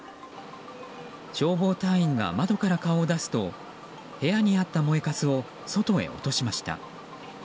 消防隊員が窓から顔を出すと部屋にあった燃えかすを外へ落としました。